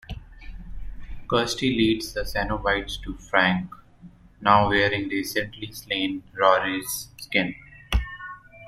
Kirsty leads the Cenobites to Frank, now wearing recently slain Rory's skin.